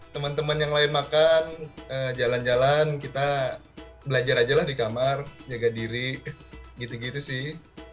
teman teman yang lain makan jalan jalan kita belajar aja lah di kamar jaga diri gitu gitu sih